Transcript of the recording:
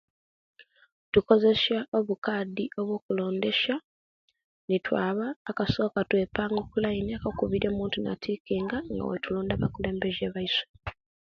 Tukozesia obukadi obwokulondesia nitwaba akasoka netwepanga ku laini akokubiri omuntu natikinga wetulonda abakulembeze mukitundu kyaisu